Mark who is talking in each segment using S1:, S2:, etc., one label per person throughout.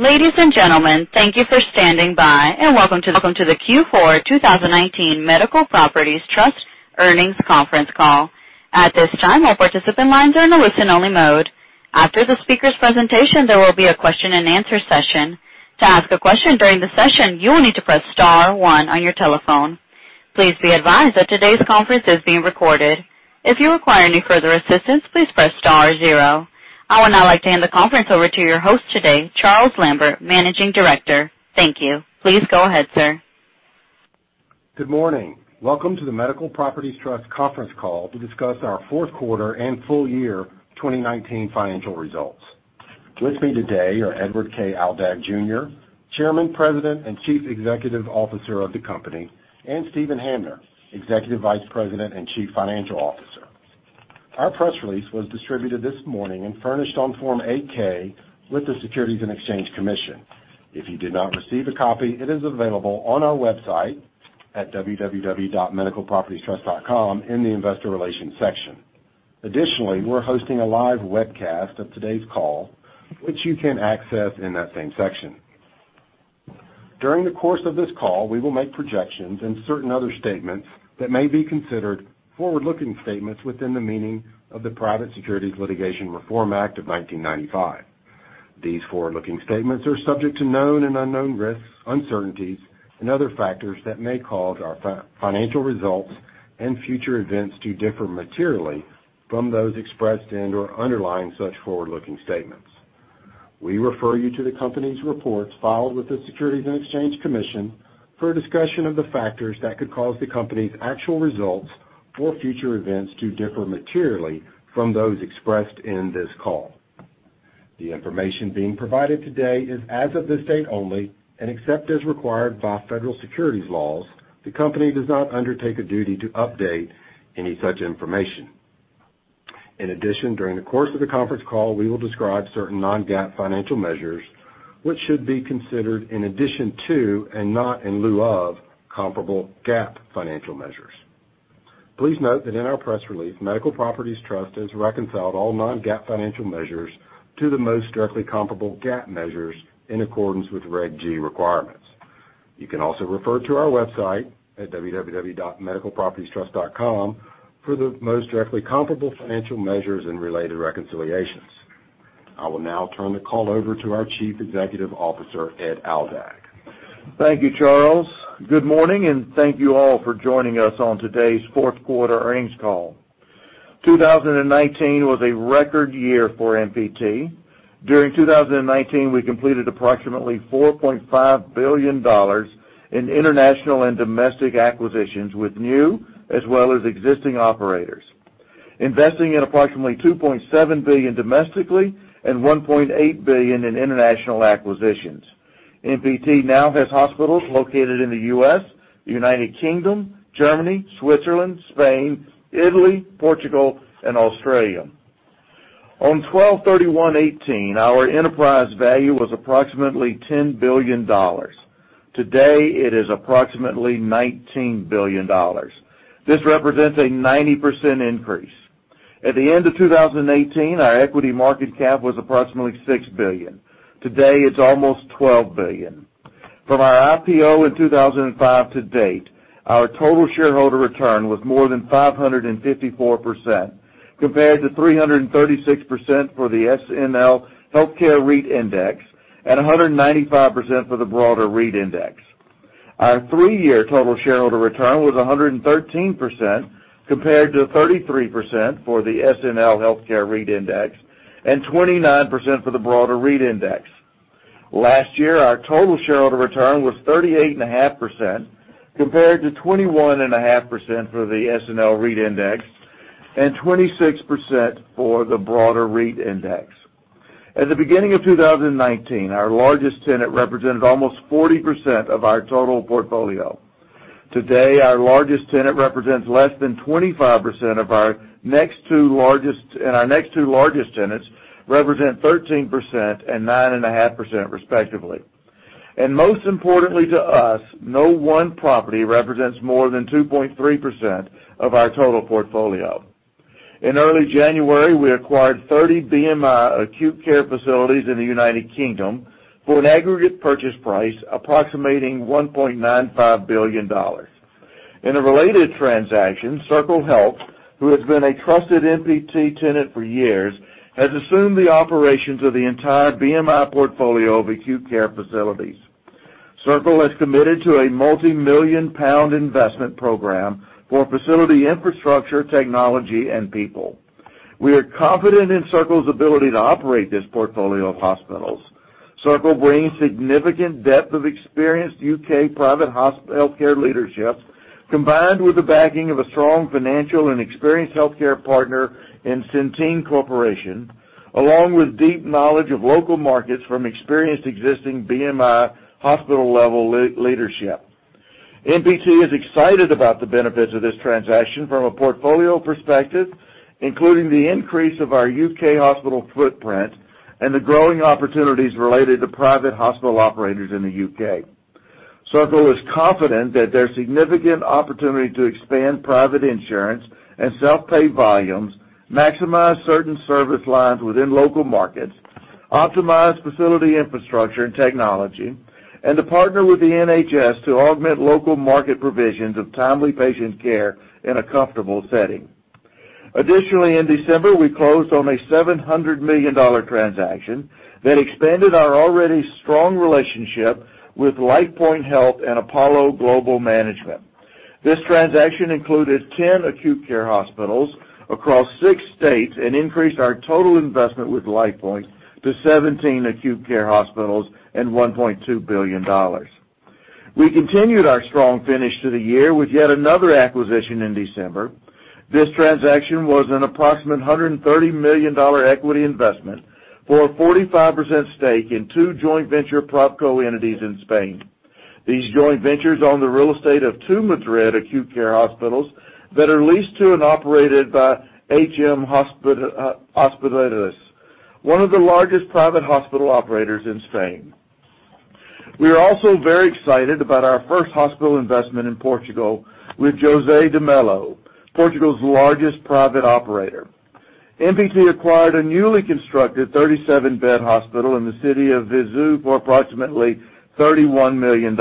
S1: Ladies and gentlemen, thank you for standing by, and welcome to the Q4 2019 Medical Properties Trust Earnings Conference Call. At this time, all participant lines are in a listen-only mode. After the speakers' presentation, there will be a question and answer session. To ask a question during the session, you will need to press star one on your telephone. Please be advised that today's conference is being recorded. If you require any further assistance, please press star zero. I would now like to hand the conference over to your host today, Charles Lambert, Managing Director. Thank you. Please go ahead, sir.
S2: Good morning. Welcome to the Medical Properties Trust conference call to discuss our fourth quarter and full year 2019 financial results. With me today are Edward K. Aldag Jr., Chairman, President, and Chief Executive Officer of the company, and Steven Hamner, Executive Vice President and Chief Financial Officer. Our press release was distributed this morning and furnished on Form 8-K with the Securities and Exchange Commission. If you did not receive a copy, it is available on our website at www.medicalpropertiestrust.com in the investor relations section. Additionally, we're hosting a live webcast of today's call, which you can access in that same section. During the course of this call, we will make projections and certain other statements that may be considered forward-looking statements within the meaning of the Private Securities Litigation Reform Act of 1995. These forward-looking statements are subject to known and unknown risks, uncertainties, and other factors that may cause our financial results and future events to differ materially from those expressed in or underlying such forward-looking statements. We refer you to the company's reports filed with the Securities and Exchange Commission for a discussion of the factors that could cause the company's actual results or future events to differ materially from those expressed in this call. The information being provided today is as of this date only, and except as required by federal securities laws, the company does not undertake a duty to update any such information. In addition, during the course of the conference call, we will describe certain non-GAAP financial measures which should be considered in addition to, and not in lieu of, comparable GAAP financial measures. Please note that in our press release, Medical Properties Trust has reconciled all non-GAAP financial measures to the most directly comparable GAAP measures in accordance with Reg G requirements. You can also refer to our website at www.medicalpropertiestrust.com for the most directly comparable financial measures and related reconciliations. I will now turn the call over to our Chief Executive Officer, Ed Aldag.
S3: Thank you, Charles. Good morning, and thank you all for joining us on today's fourth quarter earnings call. 2019 was a record year for MPT. During 2019, we completed approximately $4.5 billion in international and domestic acquisitions with new as well as existing operators, investing in approximately $2.7 billion domestically and $1.8 billion in international acquisitions. MPT now has hospitals located in the U.S., U.K., Germany, Switzerland, Spain, Italy, Portugal, and Australia. On 12/31/2018, our enterprise value was approximately $10 billion. Today, it is approximately $19 billion. This represents a 90% increase. At the end of 2018, our equity market cap was approximately $6 billion. Today, it's almost $12 billion. From our IPO in 2005 to date, our total shareholder return was more than 554%, compared to 336% for the SNL Healthcare REIT Index and 195% for the broader REIT index. Our three-year total shareholder return was 113%, compared to 33% for the SNL Healthcare REIT Index and 29% for the broader REIT index. Last year, our total shareholder return was 38.5%, compared to 21.5% for the SNL REIT Index and 26% for the broader REIT index. At the beginning of 2019, our largest tenant represented almost 40% of our total portfolio. Today, our largest tenant represents less than 25% of our next two largest, and our next two largest tenants represent 13% and 9.5% respectively. Most importantly to us, no one property represents more than 2.3% of our total portfolio. In early January, we acquired 30 BMI acute care facilities in the U.K. for an aggregate purchase price approximating $1.95 billion. In a related transaction, Circle Health, who has been a trusted MPT tenant for years, has assumed the operations of the entire BMI portfolio of acute care facilities. Circle has committed to a multimillion-pound investment program for facility infrastructure, technology, and people. We are confident in Circle's ability to operate this portfolio of hospitals. Circle brings significant depth of experienced U.K. private healthcare leadership, combined with the backing of a strong financial and experienced healthcare partner in Centene Corporation, along with deep knowledge of local markets from experienced existing BMI hospital-level leadership. MPT is excited about the benefits of this transaction from a portfolio perspective, including the increase of our U.K. hospital footprint and the growing opportunities related to private hospital operators in the U.K. Circle is confident that there's significant opportunity to expand private insurance and self-pay volumes, maximize certain service lines within local markets, optimize facility infrastructure and technology, and to partner with the NHS to augment local market provisions of timely patient care in a comfortable setting. Additionally, in December, we closed on a $700 million transaction that expanded our already strong relationship with LifePoint Health and Apollo Global Management. This transaction included 10 acute care hospitals across six states and increased our total investment with LifePoint to 17 acute care hospitals and $1.2 billion. We continued our strong finish to the year with yet another acquisition in December. This transaction was an approximate $130 million equity investment for a 45% stake in two joint venture propco entities in Spain. These joint ventures own the real estate of two Madrid acute care hospitals that are leased to and operated by HM Hospitales, one of the largest private hospital operators in Spain. We are also very excited about our first hospital investment in Portugal with José de Mello, Portugal's largest private operator. MPT acquired a newly constructed 37-bed hospital in the city of Viseu for approximately $31 million.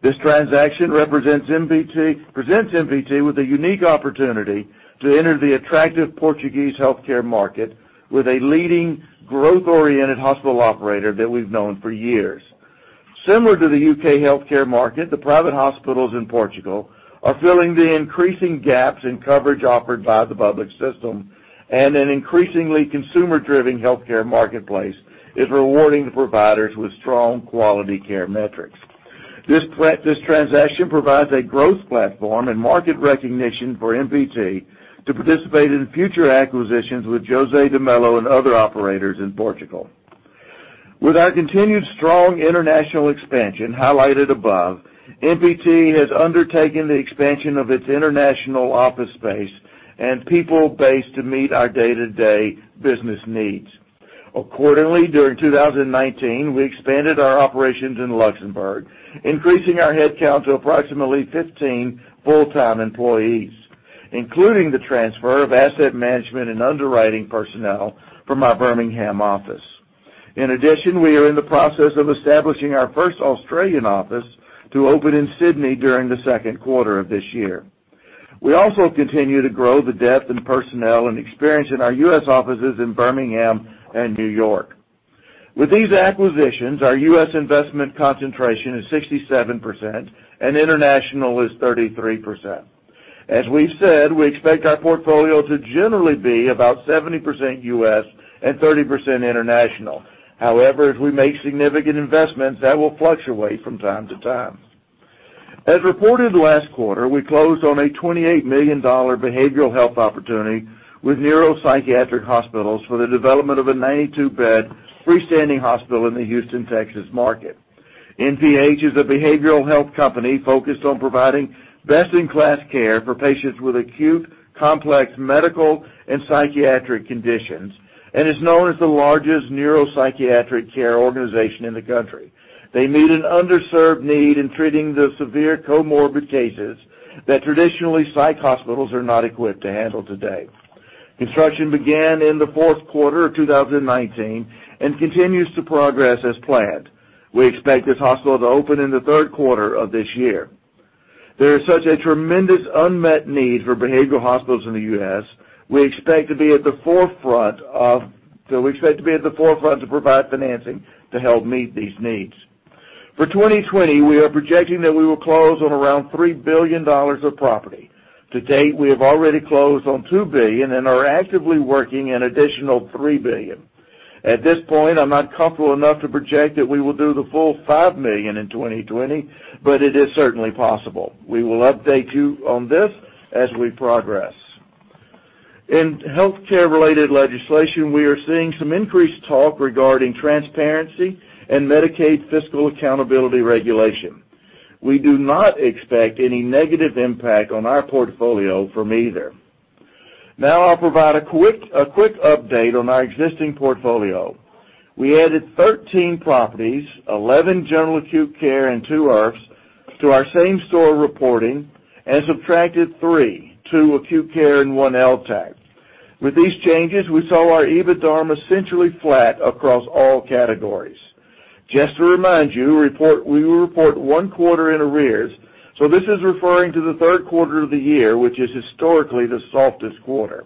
S3: This transaction presents MPT with a unique opportunity to enter the attractive Portuguese healthcare market with a leading growth-oriented hospital operator that we've known for years. Similar to the U.K. healthcare market, the private hospitals in Portugal are filling the increasing gaps in coverage offered by the public system, and an increasingly consumer-driven healthcare marketplace is rewarding providers with strong quality care metrics. This transaction provides a growth platform and market recognition for MPT to participate in future acquisitions with José de Mello and other operators in Portugal. With our continued strong international expansion highlighted above, MPT has undertaken the expansion of its international office space and people base to meet our day-to-day business needs. Accordingly, during 2019, we expanded our operations in Luxembourg, increasing our headcount to approximately 15 full-time employees, including the transfer of asset management and underwriting personnel from our Birmingham office. In addition, we are in the process of establishing our first Australian office to open in Sydney during the second quarter of this year. We also continue to grow the depth in personnel and experience in our U.S. offices in Birmingham and New York. With these acquisitions, our U.S. investment concentration is 67% and international is 33%. As we've said, we expect our portfolio to generally be about 70% U.S. and 30% international. However, as we make significant investments, that will fluctuate from time to time. As reported last quarter, we closed on a $28 million behavioral health opportunity with NeuroPsychiatric Hospitals for the development of a 92-bed freestanding hospital in the Houston, Texas market. NPH is a behavioral health company focused on providing best-in-class care for patients with acute, complex medical and psychiatric conditions and is known as the largest neuropsychiatric care organization in the country. They meet an underserved need in treating the severe comorbid cases that traditionally psych hospitals are not equipped to handle today. Construction began in the fourth quarter of 2019 and continues to progress as planned. We expect this hospital to open in the third quarter of this year. There is such a tremendous unmet need for behavioral hospitals in the U.S. We expect to be at the forefront to provide financing to help meet these needs. For 2020, we are projecting that we will close on around $3 billion of property. To date, we have already closed on $2 billion and are actively working an additional $3 billion. At this point, I'm not comfortable enough to project that we will do the full $5 billion in 2020, but it is certainly possible. We will update you on this as we progress. In healthcare-related legislation, we are seeing some increased talk regarding transparency and Medicaid Fiscal Accountability Regulation. We do not expect any negative impact on our portfolio from either. I'll provide a quick update on our existing portfolio. We added 13 properties, 11 general acute care and two IRFs, to our same store reporting and subtracted three, two acute care and one LTAC. With these changes, we saw our EBITDA essentially flat across all categories. To remind you, we will report one quarter in arrears, this is referring to the third quarter of the year, which is historically the softest quarter.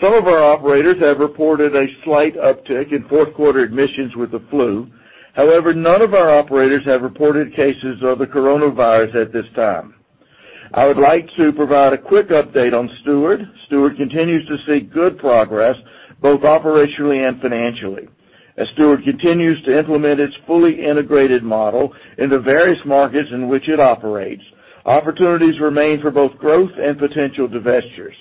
S3: Some of our operators have reported a slight uptick in fourth-quarter admissions with the flu. None of our operators have reported cases of the coronavirus at this time. I would like to provide a quick update on Steward. Steward continues to see good progress both operationally and financially. Steward continues to implement its fully integrated model in the various markets in which it operates, opportunities remain for both growth and potential divestitures.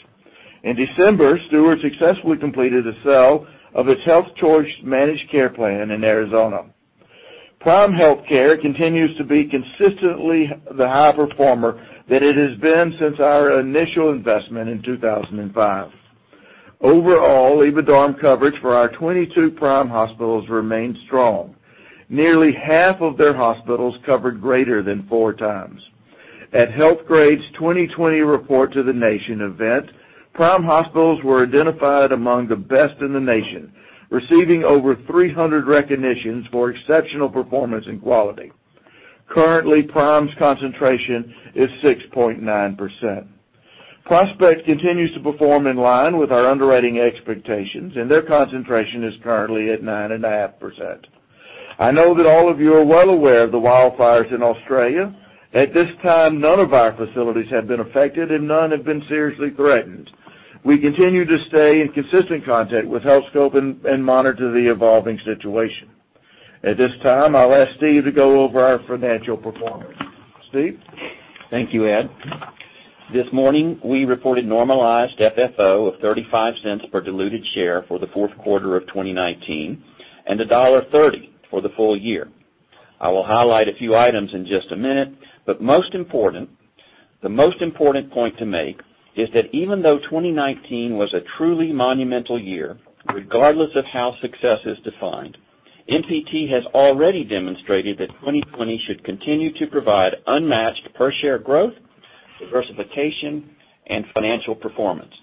S3: In December, Steward successfully completed the sale of its Health Choice Managed Care plan in Arizona. Prime Healthcare continues to be consistently the high performer that it has been since our initial investment in 2005. Overall, EBITDA coverage for our 22 Prime hospitals remained strong. Nearly half of their hospitals covered greater than four times. At Healthgrades' 2020 Report to the Nation event, Prime hospitals were identified among the best in the nation, receiving over 300 recognitions for exceptional performance and quality. Currently, Prime's concentration is 6.9%. Prospect continues to perform in line with our underwriting expectations. Their concentration is currently at 9.5%. I know that all of you are well aware of the wildfires in Australia. At this time, none of our facilities have been affected. None have been seriously threatened. We continue to stay in consistent contact with Healthscope and monitor the evolving situation. At this time, I'll ask Steve to go over our financial performance. Steve?
S4: Thank you, Ed. This morning, we reported normalized FFO of $0.35 per diluted share for the fourth quarter of 2019, and $1.30 for the full year. I will highlight a few items in just a minute, but the most important point to make is that even though 2019 was a truly monumental year, regardless of how success is defined, MPT has already demonstrated that 2020 should continue to provide unmatched per-share growth, diversification, and financial performance.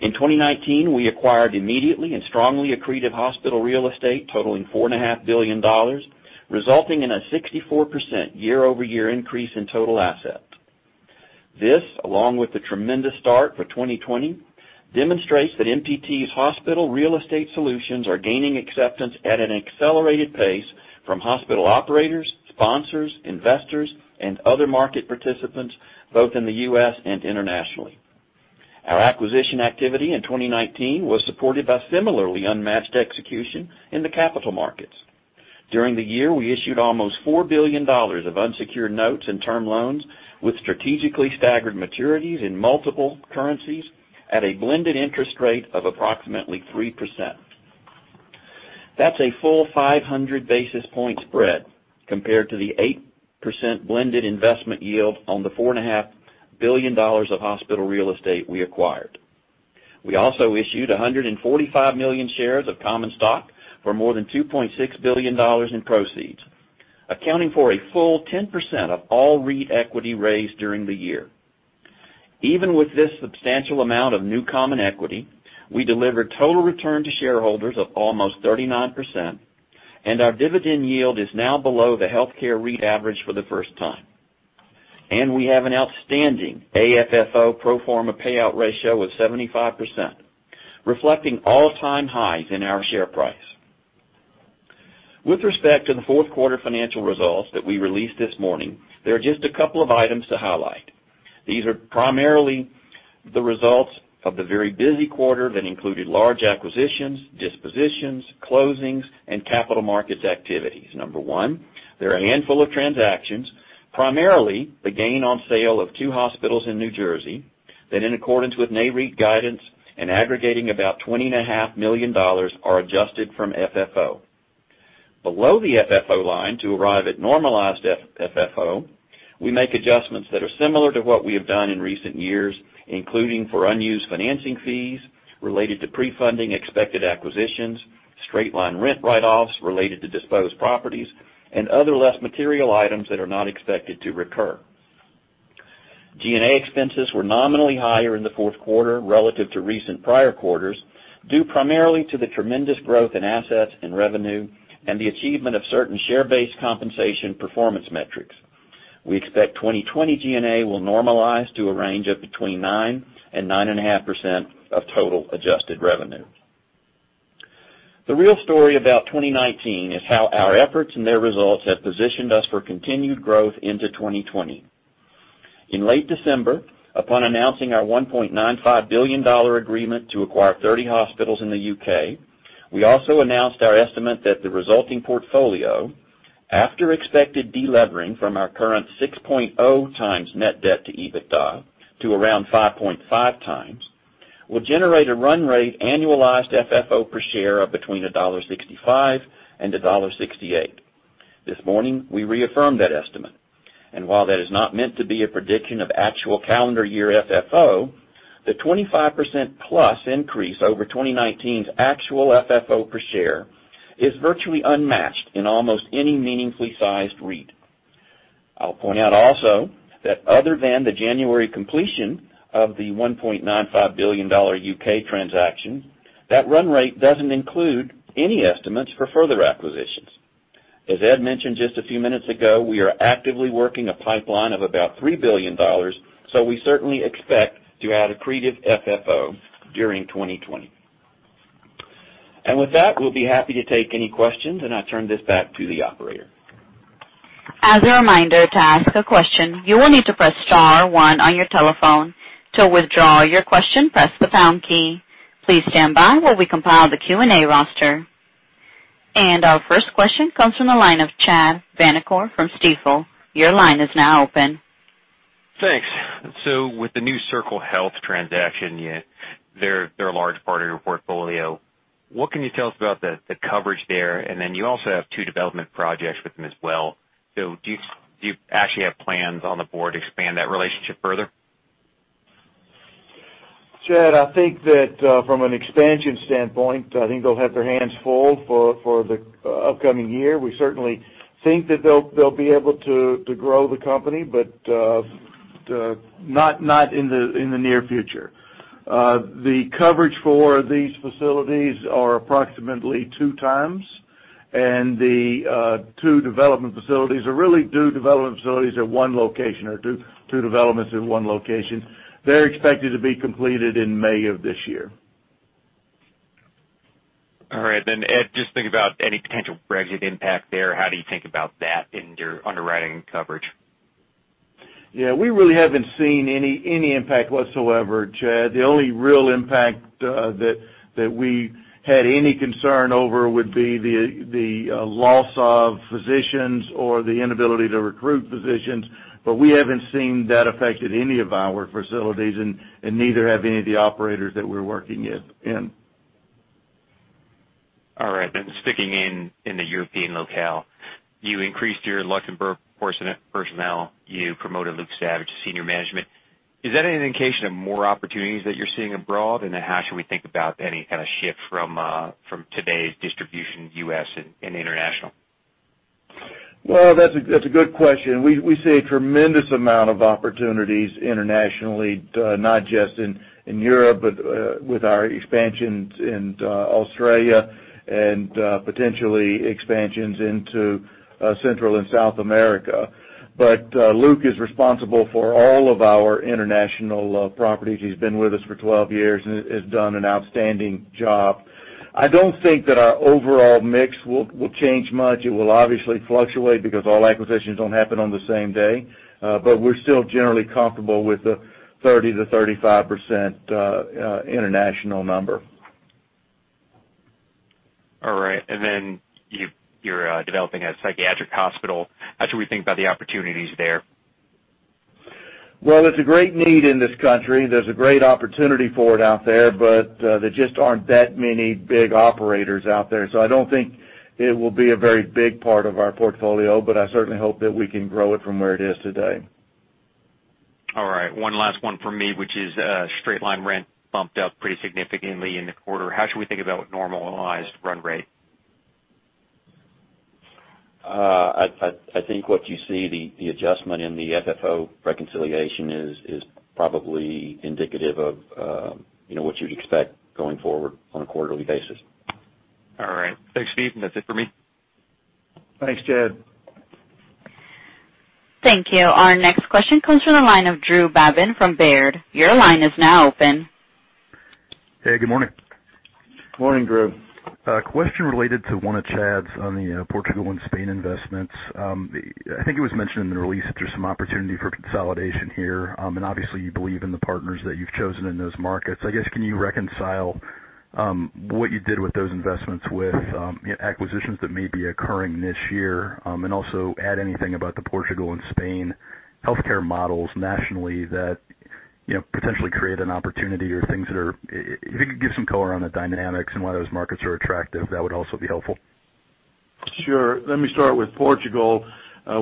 S4: In 2019, we acquired immediately and strongly accretive hospital real estate totaling $4.5 billion, resulting in a 64% year-over-year increase in total assets. This, along with the tremendous start for 2020, demonstrates that MPT's hospital real estate solutions are gaining acceptance at an accelerated pace from hospital operators, sponsors, investors, and other market participants, both in the U.S. and internationally. Our acquisition activity in 2019 was supported by similarly unmatched execution in the capital markets. During the year, we issued almost $4 billion of unsecured notes and term loans with strategically staggered maturities in multiple currencies at a blended interest rate of approximately 3%. That's a full 500-basis-point spread compared to the 8% blended investment yield on the $4.5 billion of hospital real estate we acquired. We also issued 145 million shares of common stock for more than $2.6 billion in proceeds, accounting for a full 10% of all REIT equity raised during the year. Even with this substantial amount of new common equity, we delivered total return to shareholders of almost 39%, our dividend yield is now below the healthcare REIT average for the first time. We have an outstanding AFFO pro forma payout ratio of 75%, reflecting all-time highs in our share price. With respect to the fourth quarter financial results that we released this morning, there are just a couple of items to highlight. These are primarily the results of the very busy quarter that included large acquisitions, dispositions, closings, and capital markets activities. Number one, there are a handful of transactions, primarily the gain on sale of two hospitals in New Jersey that, in accordance with NAREIT guidance and aggregating about $20.5 million, are adjusted from FFO. Below the FFO line to arrive at normalized FFO, we make adjustments that are similar to what we have done in recent years, including for unused financing fees related to pre-funding expected acquisitions, straight-line rent write-offs related to disposed properties, and other less material items that are not expected to recur. G&A expenses were nominally higher in the fourth quarter relative to recent prior quarters, due primarily to the tremendous growth in assets and revenue and the achievement of certain share-based compensation performance metrics. We expect 2020 G&A will normalize to a range of between 9% and 9.5% of total adjusted revenue. The real story about 2019 is how our efforts and their results have positioned us for continued growth into 2020. In late December, upon announcing our $1.95 billion agreement to acquire 30 hospitals in the U.K., we also announced our estimate that the resulting portfolio, after expected de-levering from our current 6.0x net debt to EBITDA to around 5.5x will generate a run rate annualized FFO per share of between $1.65 and $1.68. This morning, we reaffirmed that estimate. While that is not meant to be a prediction of actual calendar year FFO, the 25%+ increase over 2019's actual FFO per share is virtually unmatched in almost any meaningfully sized REIT. I'll point out also that other than the January completion of the $1.95 billion U.K. transaction, that run rate doesn't include any estimates for further acquisitions. As Ed mentioned just a few minutes ago, we are actively working a pipeline of about $3 billion, so we certainly expect to add accretive FFO during 2020. With that, we'll be happy to take any questions, and I turn this back to the operator.
S1: As a reminder, to ask a question, you will need to press star one on your telephone. To withdraw your question, press the pound key. Please stand by while we compile the Q&A roster. Our first question comes from the line of Chad Vanacore from Stifel. Your line is now open.
S5: Thanks. With the new Circle Health transaction, they're a large part of your portfolio. What can you tell us about the coverage there? You also have two development projects with them as well. Do you actually have plans on the board to expand that relationship further?
S3: Chad, I think that from an expansion standpoint, I think they'll have their hands full for the upcoming year. We certainly think that they'll be able to grow the company, but not in the near future. The coverage for these facilities are approximately 2x, and the two development facilities are really two development facilities at one location or two developments in one location. They're expected to be completed in May of this year.
S5: All right. Ed, just thinking about any potential Brexit impact there, how do you think about that in your underwriting coverage?
S3: Yeah. We really haven't seen any impact whatsoever, Chad. The only real impact that we had any concern over would be the loss of physicians or the inability to recruit physicians. We haven't seen that affect any of our facilities, and neither have any of the operators that we're working with in.
S5: All right. Sticking in the European locale. You increased your Luxembourg personnel. You promoted Luke Savage to senior management. Is that an indication of more opportunities that you're seeing abroad? How should we think about any kind of shift from today's distribution, U.S. and international?
S3: Well, that's a good question. We see a tremendous amount of opportunities internationally, not just in Europe, but with our expansions in Australia and potentially expansions into Central and South America. Luke is responsible for all of our international properties. He's been with us for 12 years and has done an outstanding job. I don't think that our overall mix will change much. It will obviously fluctuate because all acquisitions don't happen on the same day. We're still generally comfortable with the 30%-35% international number.
S5: All right. You're developing a psychiatric hospital. How should we think about the opportunities there?
S3: There's a great need in this country. There's a great opportunity for it out there, but there just aren't that many big operators out there. I don't think it will be a very big part of our portfolio, but I certainly hope that we can grow it from where it is today.
S5: All right. One last one from me, which is straight-line rent bumped up pretty significantly in the quarter. How should we think about normalized run rate?
S4: I think what you see, the adjustment in the FFO reconciliation is probably indicative of what you'd expect going forward on a quarterly basis.
S5: All right. Thanks, Steve. That's it for me.
S3: Thanks, Chad.
S1: Thank you. Our next question comes from the line of Drew Babin from Baird. Your line is now open.
S6: Hey, good morning.
S3: Morning, Drew.
S6: A question related to one of Chad's on the Portugal and Spain investments. I think it was mentioned in the release that there's some opportunity for consolidation here. Obviously, you believe in the partners that you've chosen in those markets. I guess, can you reconcile what you did with those investments with acquisitions that may be occurring this year? Also add anything about the Portugal and Spain healthcare models nationally that potentially create an opportunity or if you could give some color on the dynamics and why those markets are attractive, that would also be helpful.
S3: Sure. Let me start with Portugal.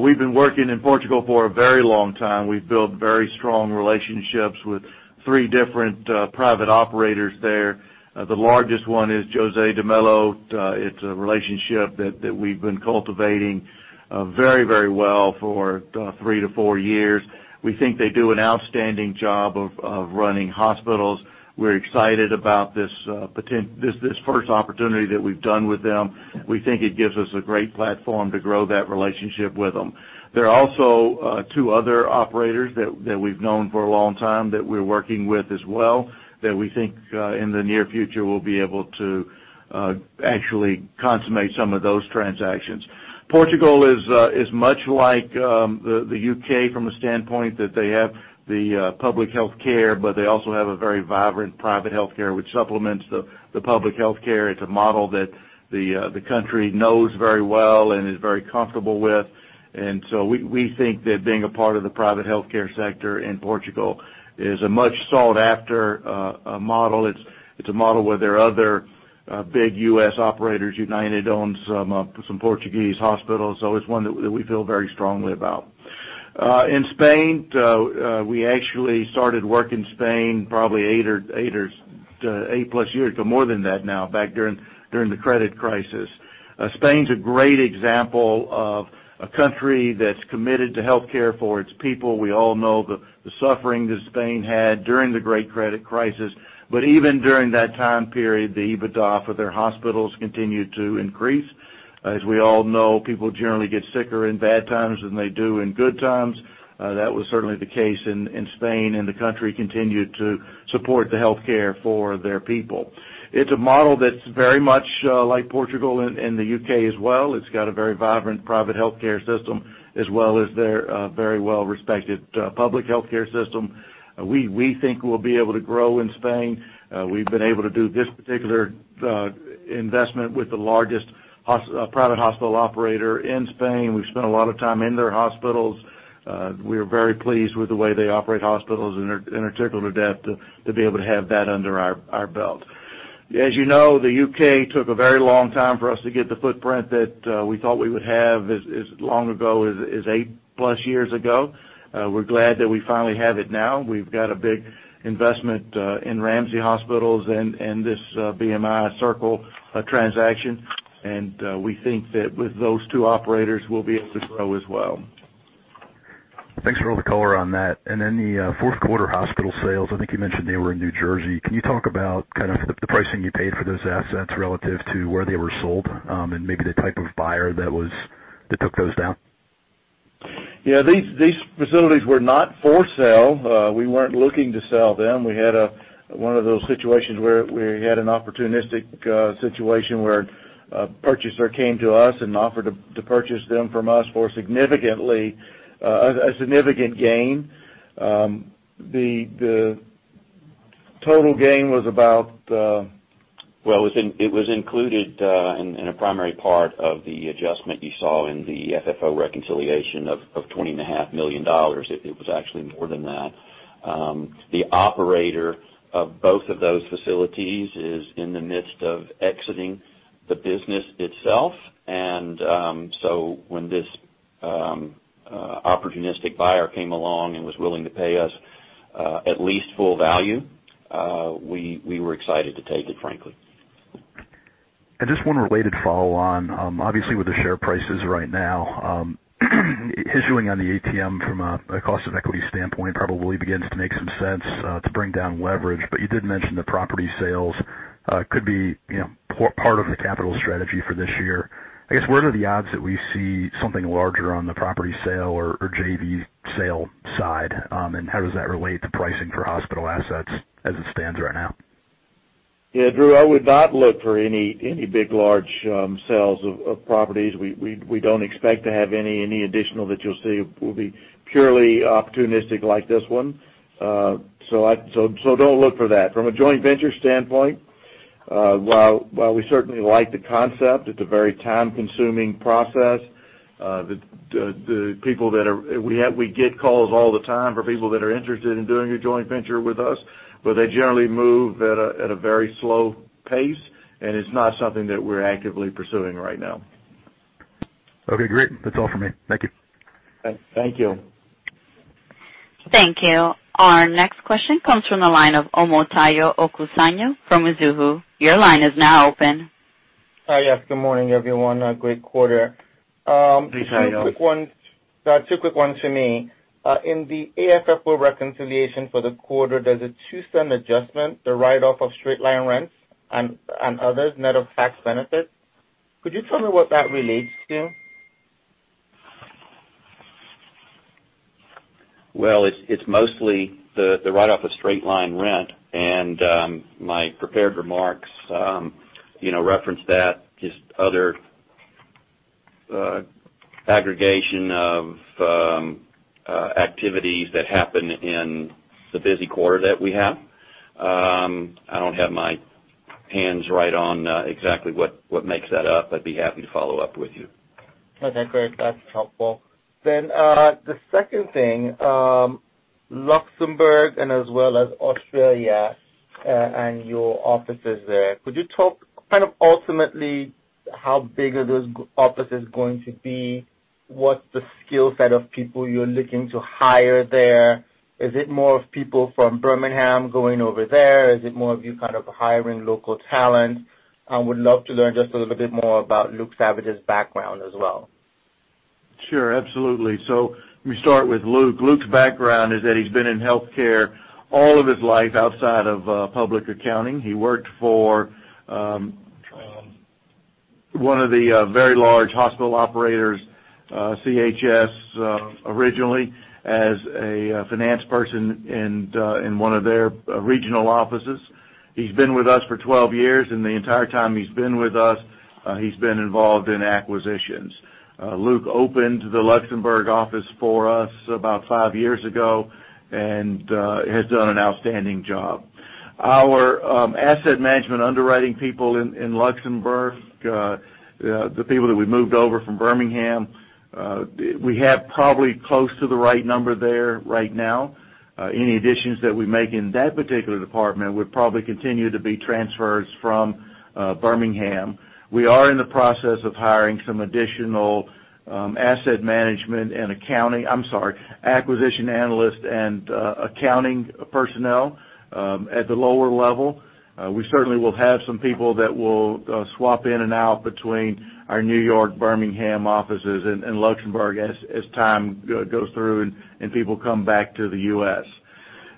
S3: We've been working in Portugal for a very long time. We've built very strong relationships with three different private operators there. The largest one is José de Mello. It's a relationship that we've been cultivating very well for three to four years. We think they do an outstanding job of running hospitals. We're excited about this first opportunity that we've done with them. We think it gives us a great platform to grow that relationship with them. There are also two other operators that we've known for a long time that we're working with as well, that we think in the near future, we'll be able to actually consummate some of those transactions. Portugal is much like the U.K. from the standpoint that they have the public healthcare, but they also have a very vibrant private healthcare which supplements the public healthcare. It's a model that the country knows very well and is very comfortable with. We think that being a part of the private healthcare sector in Portugal is a much sought-after model. It's a model where there are other big U.S. operators. United owns some Portuguese hospitals. It's one that we feel very strongly about. In Spain, we actually started work in Spain probably eight-plus years, so more than that now, back during the credit crisis. Spain's a great example of a country that's committed to healthcare for its people. We all know the suffering that Spain had during the great credit crisis. Even during that time period, the EBITDA for their hospitals continued to increase. As we all know, people generally get sicker in bad times than they do in good times. That was certainly the case in Spain, and the country continued to support the healthcare for their people. It's a model that's very much like Portugal and the U.K. as well. It's got a very vibrant private healthcare system, as well as their very well-respected public healthcare system. We think we'll be able to grow in Spain. We've been able to do this particular investment with the largest private hospital operator in Spain. We've spent a lot of time in their hospitals. We are very pleased with the way they operate hospitals, and are tickled to death to be able to have that under our belt. As you know, the U.K. took a very long time for us to get the footprint that we thought we would have as long ago as eight-plus years ago. We're glad that we finally have it now. We've got a big investment in Ramsay Health Care and this BMI Circle transaction, and we think that with those two operators, we'll be able to grow as well.
S6: Thanks for all the color on that. The fourth quarter hospital sales, I think you mentioned they were in New Jersey. Can you talk about the pricing you paid for those assets relative to where they were sold and maybe the type of buyer that took those down?
S3: Yeah, these facilities were not for sale. We weren't looking to sell them. We had one of those situations where we had an opportunistic situation where a purchaser came to us and offered to purchase them from us for a significant gain. The total gain was about-
S4: Well, it was included in a primary part of the adjustment you saw in the FFO reconciliation of $20.5 million. It was actually more than that. The operator of both of those facilities is in the midst of exiting the business itself. When this opportunistic buyer came along and was willing to pay us at least full value, we were excited to take it, frankly.
S6: Just one related follow-on. Obviously, with the share prices right now issuing on the ATM from a cost of equity standpoint probably begins to make some sense to bring down leverage. You did mention the property sales could be part of the capital strategy for this year. I guess what are the odds that we see something larger on the property sale or JV sale side? How does that relate to pricing for hospital assets as it stands right now?
S3: Yeah, Drew, I would not look for any big large sales of properties. We don't expect to have any additional that you'll see. They will be purely opportunistic like this one. Don't look for that. From a joint venture standpoint, while we certainly like the concept, it's a very time-consuming process. We get calls all the time for people that are interested in doing a joint venture with us, they generally move at a very slow pace, and it's not something that we're actively pursuing right now.
S6: Okay, great. That's all for me. Thank you.
S3: Thank you.
S1: Thank you. Our next question comes from the line of Omotayo Okusanya from Mizuho. Your line is now open.
S7: Hi. Yes, good morning, everyone. A great quarter.
S3: Hey, Tayo.
S7: Two quick ones for me. In the AFFO reconciliation for the quarter, there's a $0.02 adjustment, the write-off of straight-line rent and others, net of tax benefits. Could you tell me what that relates to?
S4: Well, it's mostly the write-off of straight-line rent, and my prepared remarks reference that, just other aggregation of activities that happen in the busy quarter that we have. I don't have my hands right on exactly what makes that up. I'd be happy to follow up with you.
S7: Okay, great. That's helpful. The second thing, Luxembourg and as well as Australia and your offices there. Could you talk kind of ultimately how big are those offices going to be? What's the skill set of people you're looking to hire there? Is it more of people from Birmingham going over there? Is it more of you kind of hiring local talent? I would love to learn just a little bit more about Luke Savage's background as well.
S3: Sure. Absolutely. Let me start with Luke. Luke's background is that he's been in healthcare all of his life outside of public accounting. He worked for one of the very large hospital operators, CHS originally, as a finance person in one of their regional offices. He's been with us for 12 years, and the entire time he's been with us, he's been involved in acquisitions. Luke opened the Luxembourg office for us about five years ago and has done an outstanding job. Our asset management underwriting people in Luxembourg, the people that we moved over from Birmingham, we have probably close to the right number there right now. Any additions that we make in that particular department would probably continue to be transfers from Birmingham. We are in the process of hiring some additional asset management and accounting. I'm sorry, acquisition analyst and accounting personnel at the lower level. We certainly will have some people that will swap in and out between our New York, Birmingham offices and Luxembourg as time goes through and people come back to the U.S.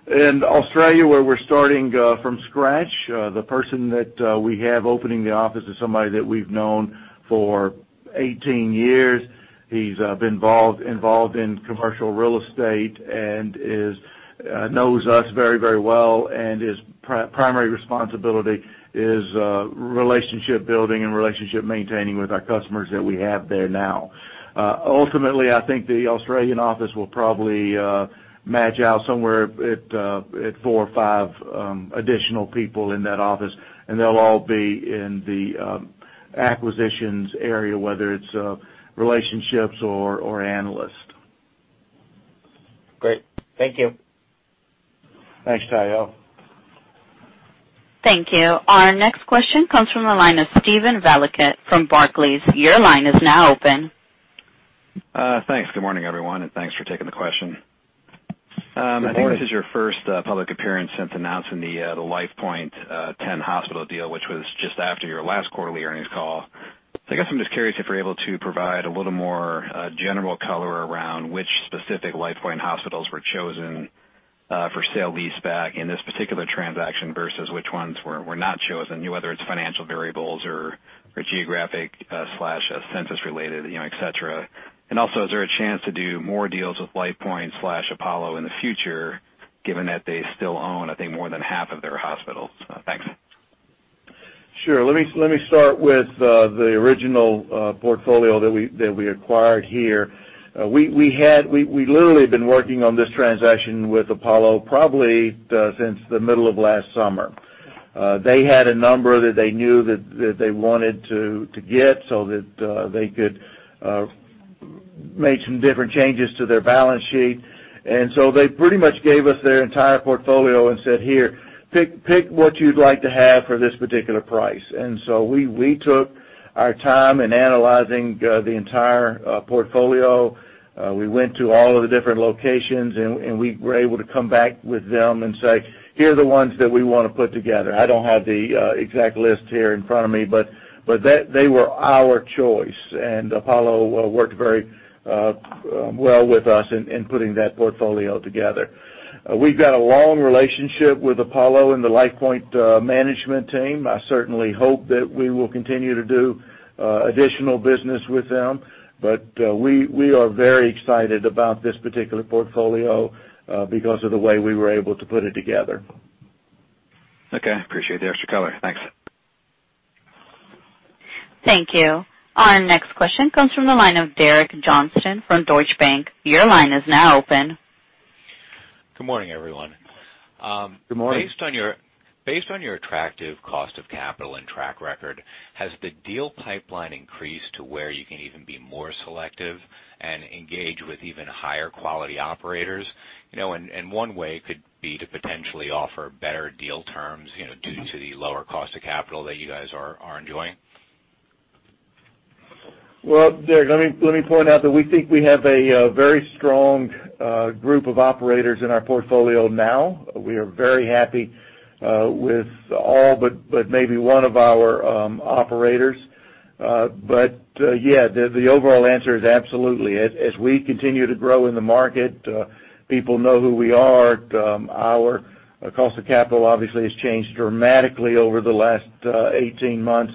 S3: In Australia, where we're starting from scratch, the person that we have opening the office is somebody that we've known for 18 years. He's been involved in commercial real estate and knows us very well, and his primary responsibility is relationship building and relationship maintaining with our customers that we have there now. Ultimately, I think the Australian office will probably match out somewhere at four or five additional people in that office, and they'll all be in the acquisitions area, whether it's relationships or analysts.
S7: Great. Thank you.
S3: Thanks, Tayo.
S1: Thank you. Our next question comes from the line of Steven Valiquette from Barclays. Your line is now open.
S8: Thanks. Good morning, everyone, and thanks for taking the question.
S3: Good morning.
S8: I think this is your first public appearance since announcing the LifePoint 10-hospital deal, which was just after your last quarterly earnings call. I guess I'm just curious if you're able to provide a little more general color around which specific LifePoint hospitals were chosen for sale leaseback in this particular transaction versus which ones were not chosen, whether it's financial variables or geographic/census related, et cetera. Is there a chance to do more deals with LifePoint/Apollo in the future, given that they still own, I think, more than half of their hospitals? Thanks.
S3: Sure. Let me start with the original portfolio that we acquired here. We literally have been working on this transaction with Apollo probably since the middle of last summer. They had a number that they knew that they wanted to get so that they could make some different changes to their balance sheet. They pretty much gave us their entire portfolio and said, "Here, pick what you'd like to have for this particular price." We took our time in analyzing the entire portfolio. We went to all of the different locations, and we were able to come back with them and say, "Here are the ones that we want to put together." I don't have the exact list here in front of me, but they were our choice. Apollo worked very well with us in putting that portfolio together. We've got a long relationship with Apollo and the LifePoint management team. I certainly hope that we will continue to do additional business with them. We are very excited about this particular portfolio because of the way we were able to put it together.
S8: Okay. Appreciate the extra color. Thanks.
S1: Thank you. Our next question comes from the line of Derek Johnston from Deutsche Bank. Your line is now open.
S9: Good morning, everyone.
S3: Good morning.
S9: Based on your attractive cost of capital and track record, has the deal pipeline increased to where you can even be more selective and engage with even higher-quality operators? One way could be to potentially offer better deal terms due to the lower cost of capital that you guys are enjoying.
S3: Well, Derek, let me point out that we think we have a very strong group of operators in our portfolio now. We are very happy with all but maybe one of our operators. Yeah, the overall answer is absolutely. As we continue to grow in the market, people know who we are. Our cost of capital obviously has changed dramatically over the last 18 months.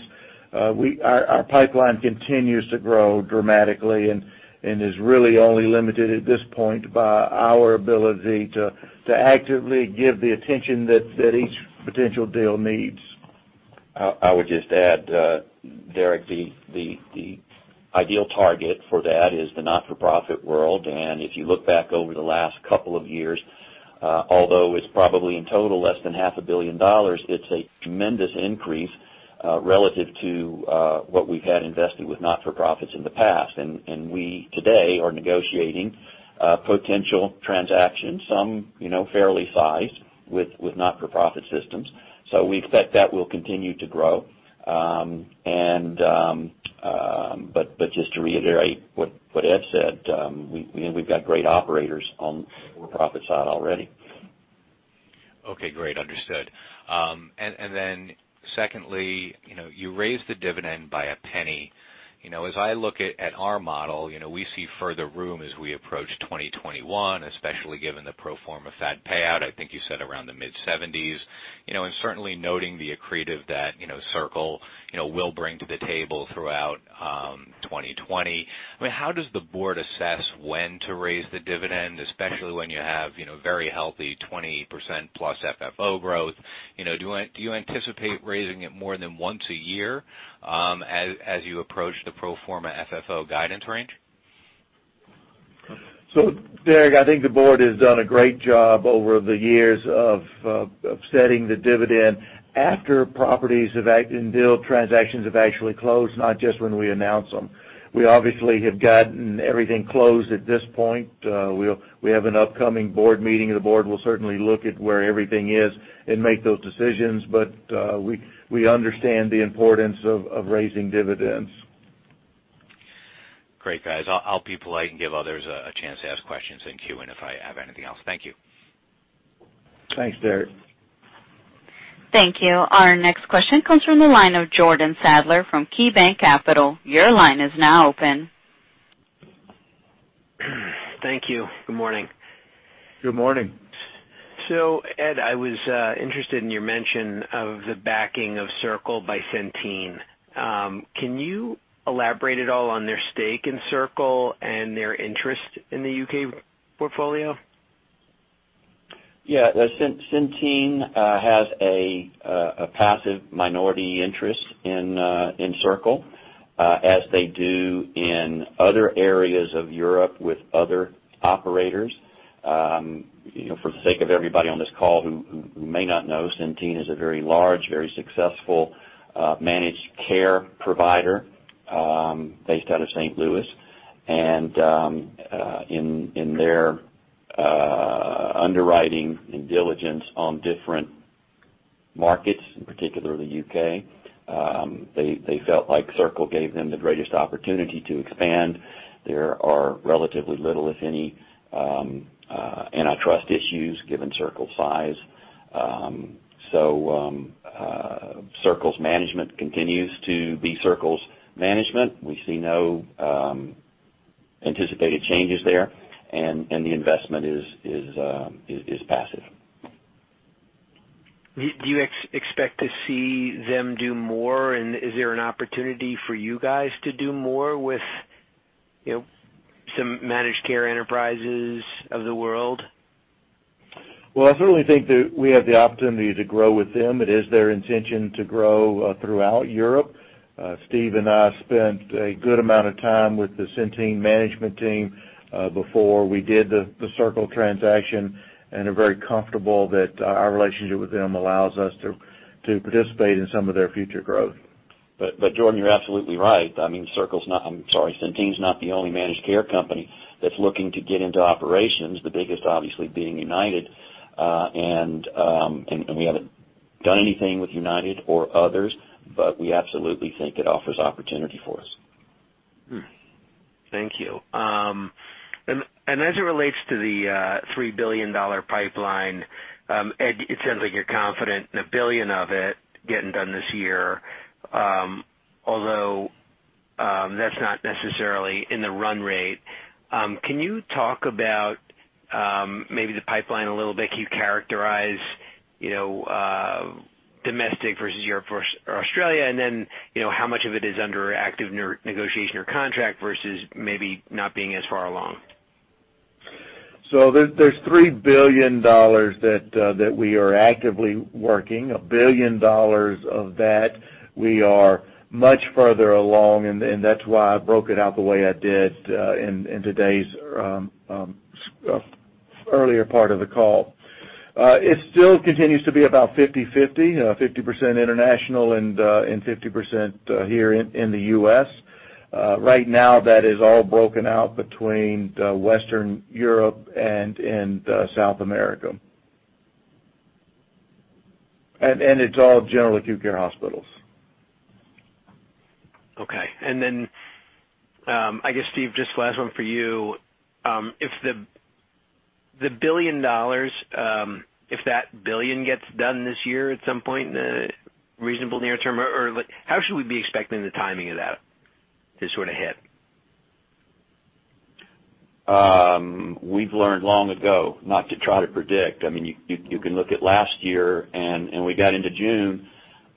S3: Our pipeline continues to grow dramatically and is really only limited at this point by our ability to actively give the attention that each potential deal needs.
S4: I would just add, Derek, the ideal target for that is the not-for-profit world. If you look back over the last couple of years, although it's probably in total less than half a billion dollars, it's a tremendous increase relative to what we've had invested with not-for-profits in the past. We today are negotiating potential transactions, some fairly sized, with not-for-profit systems. We expect that will continue to grow. Just to reiterate what Ed said, we've got great operators on the for-profit side already.
S9: Okay, great. Understood. Secondly, you raised the dividend by $0.01. As I look at our model, we see further room as we approach 2021, especially given the pro forma FAD payout, I think you said around the mid-70s%. Certainly noting the accretive that Circle will bring to the table throughout 2020. How does the board assess when to raise the dividend, especially when you have very healthy 20%+ FFO growth? Do you anticipate raising it more than once a year as you approach the pro forma FFO guidance range?
S3: Derek, I think the board has done a great job over the years of setting the dividend after properties and deal transactions have actually closed, not just when we announce them. We obviously have gotten everything closed at this point. We have an upcoming board meeting. The board will certainly look at where everything is and make those decisions. We understand the importance of raising dividends.
S9: Great, guys. I'll be polite and give others a chance to ask questions in queue and if I have anything else. Thank you.
S3: Thanks, Derek.
S1: Thank you. Our next question comes from the line of Jordan Sadler from KeyBanc Capital. Your line is now open.
S10: Thank you. Good morning.
S3: Good morning.
S10: Ed, I was interested in your mention of the backing of Circle by Centene. Can you elaborate at all on their stake in Circle and their interest in the U.K. portfolio?
S4: Yeah. Centene has a passive minority interest in Circle, as they do in other areas of Europe with other operators. For the sake of everybody on this call who may not know, Centene is a very large, very successful managed care provider based out of St. Louis. In their underwriting and diligence on different markets, in particular the U.K., they felt like Circle gave them the greatest opportunity to expand. There are relatively little, if any, antitrust issues given Circle's size. Circle's management continues to be Circle's management. We see no anticipated changes there, and the investment is passive.
S10: Do you expect to see them do more, and is there an opportunity for you guys to do more with some Managed Care Enterprises of the world?
S3: Well, I certainly think that we have the opportunity to grow with them. It is their intention to grow throughout Europe. Steve and I spent a good amount of time with the Centene management team before we did the Circle transaction and are very comfortable that our relationship with them allows us to participate in some of their future growth.
S4: Jordan, you're absolutely right. Centene's not the only managed care company that's looking to get into operations, the biggest obviously being United. We haven't done anything with United or others, but we absolutely think it offers opportunity for us.
S10: Thank you. As it relates to the $3 billion pipeline, Ed, it sounds like you're confident in $1 billion of it getting done this year, although that's not necessarily in the run rate. Can you talk about maybe the pipeline a little bit? Can you characterize domestic versus Europe versus Australia, how much of it is under active negotiation or contract versus maybe not being as far along?
S3: There's $3 billion that we are actively working. $1 billion of that we are much further along, that's why I broke it out the way I did in today's earlier part of the call. It still continues to be about 50/50% international and 50% here in the U.S. Right now that is all broken out between Western Europe and South America. It's all general acute care hospitals.
S10: Okay. I guess, Steve, just last one for you. If the $1 billion, if that $1 billion gets done this year at some point in the reasonable near term, or how should we be expecting the timing of that to sort of hit?
S4: We've learned long ago not to try to predict. You can look at last year, and we got into June,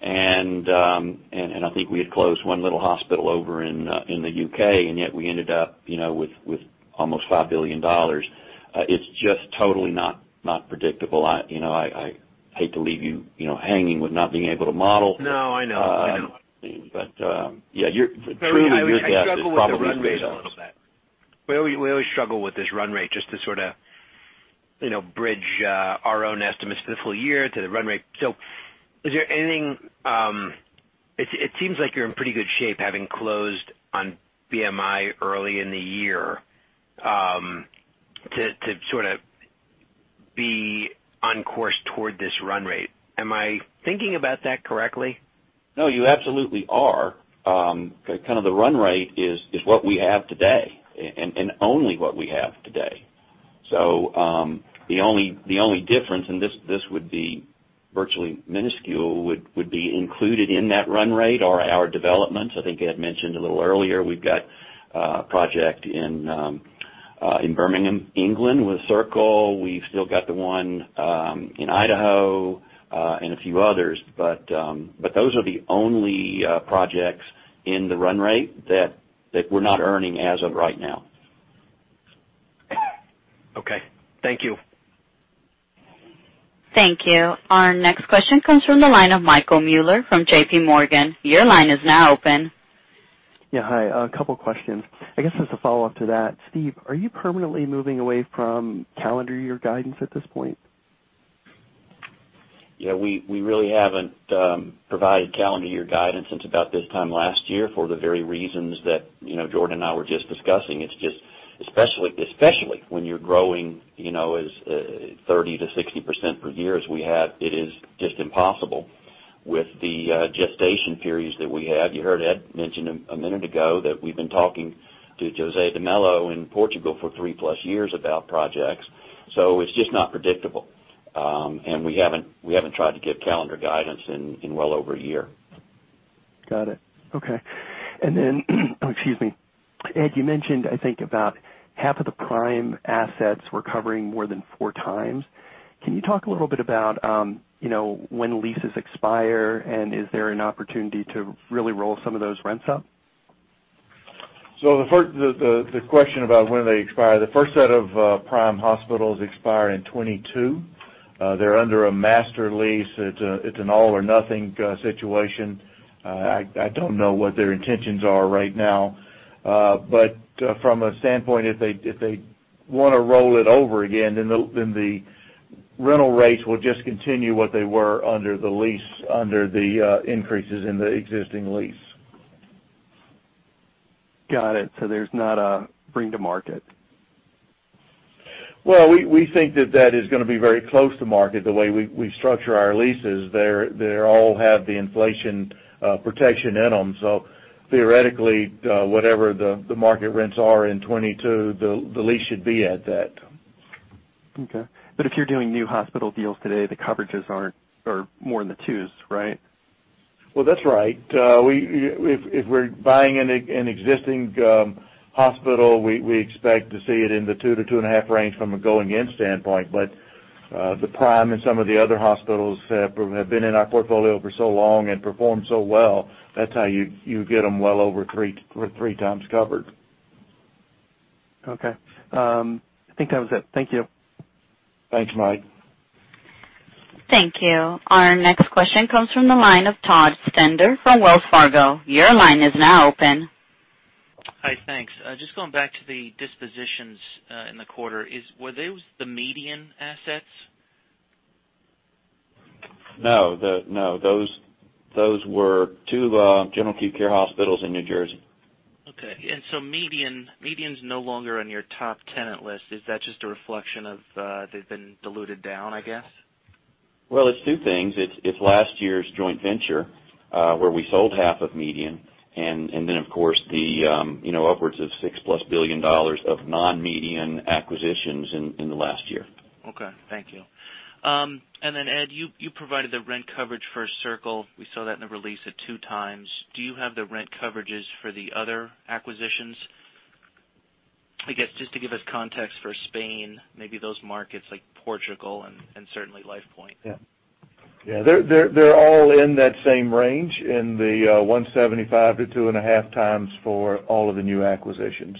S4: and I think we had closed one little hospital over in the U.K., and yet we ended up with almost $5 billion. It's just totally not predictable. I hate to leave you hanging with not being able to model.
S10: No, I know.
S4: Yeah, truly your guess is probably as good as ours.
S10: I struggle with the run rate a little bit. We always struggle with this run rate just to sort of bridge our own estimates for the full year to the run rate. It seems like you're in pretty good shape having closed on BMI early in the year to sort of be on course toward this run rate. Am I thinking about that correctly?
S4: No, you absolutely are. Kind of the run rate is what we have today and only what we have today. The only difference, and this would be virtually minuscule, would be included in that run rate are our developments. I think Ed mentioned a little earlier, we've got a project in Birmingham, England, with Circle. We've still got the one in Idaho, and a few others. Those are the only projects in the run rate that we're not earning as of right now.
S10: Okay. Thank you.
S1: Thank you. Our next question comes from the line of Michael Mueller from J.P. Morgan. Your line is now open.
S11: Yeah. Hi. A couple questions. I guess as a follow-up to that, Steve, are you permanently moving away from calendar year guidance at this point?
S4: Yeah, we really haven't provided calendar year guidance since about this time last year for the very reasons that Jordan and I were just discussing. It's just, especially when you're growing as 30%-60% per year as we have, it is just impossible with the gestation periods that we have. You heard Ed mention a minute ago that we've been talking to José de Mello in Portugal for three-plus years about projects. It's just not predictable. We haven't tried to give calendar guidance in well over a year.
S11: Got it. Okay. Then, excuse me. Ed, you mentioned, I think, about half of the Prime assets we're covering more than four times. Can you talk a little bit about when leases expire, and is there an opportunity to really roll some of those rents up?
S3: The question about when they expire. The first set of Prime Healthcare hospitals expire in 2022. They're under a master lease. It's an all or nothing situation. I don't know what their intentions are right now. From a standpoint, if they want to roll it over again, then the rental rates will just continue what they were under the increases in the existing lease.
S11: Got it. There's not a bring to market.
S3: Well, we think that that is going to be very close to market the way we structure our leases. They all have the inflation protection in them. Theoretically, whatever the market rents are in 2022, the lease should be at that.
S11: Okay. If you're doing new hospital deals today, the coverages are more in the twos, right?
S3: That's right. If we're buying an existing hospital, we expect to see it in the two to two and a half range from a going-in standpoint. The Prime and some of the other hospitals have been in our portfolio for so long and performed so well, that's how you get them well over three times covered.
S11: Okay. I think that was it. Thank you.
S3: Thanks, Mike.
S1: Thank you. Our next question comes from the line of Todd Stender from Wells Fargo. Your line is now open.
S12: Hi, thanks. Just going back to the dispositions in the quarter, were those the MEDIAN assets?
S4: No. Those were two general acute care hospitals in New Jersey.
S12: Okay. MEDIAN's no longer on your top tenant list. Is that just a reflection of, they've been diluted down, I guess?
S4: Well, it's two things. It's last year's joint venture, where we sold half of MEDIAN, of course, upwards of $6-plus billion of non-MEDIAN acquisitions in the last year.
S12: Okay. Thank you. Ed, you provided the rent coverage for Circle. We saw that in the release at two times. Do you have the rent coverages for the other acquisitions? I guess, just to give us context for Spain, maybe those markets like Portugal and certainly LifePoint.
S3: Yeah. They're all in that same range, in the 175 to 2.5x for all of the new acquisitions.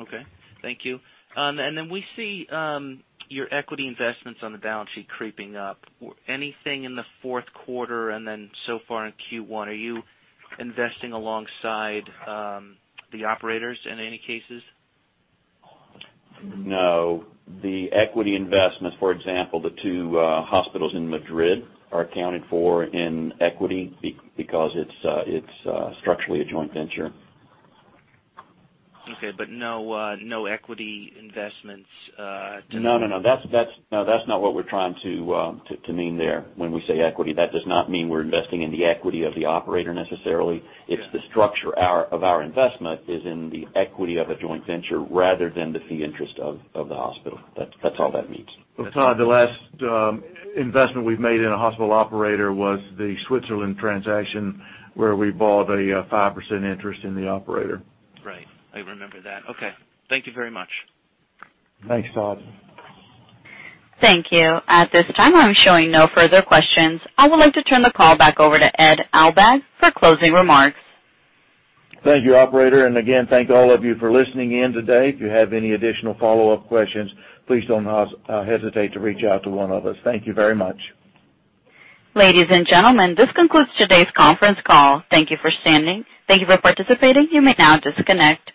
S12: Okay. Thank you. We see your equity investments on the balance sheet creeping up. Anything in the fourth quarter and then so far in Q1? Are you investing alongside the operators in any cases?
S4: No. The equity investments, for example, the two hospitals in Madrid are accounted for in equity because it's structurally a joint venture.
S12: Okay.
S4: No. That's not what we're trying to mean there when we say equity. That does not mean we're investing in the equity of the operator necessarily.
S12: Yeah.
S4: It's the structure of our investment is in the equity of a joint venture rather than the fee interest of the hospital. That's all that means.
S3: Todd, the last investment we've made in a hospital operator was the Switzerland transaction where we bought a 5% interest in the operator.
S12: Right. I remember that. Okay. Thank you very much.
S3: Thanks, Todd.
S1: Thank you. At this time, I'm showing no further questions. I would like to turn the call back over to Ed Aldag for closing remarks.
S3: Thank you, operator. Again, thank all of you for listening in today. If you have any additional follow-up questions, please do not hesitate to reach out to one of us. Thank you very much.
S1: Ladies and gentlemen, this concludes today's conference call. Thank you for participating. You may now disconnect.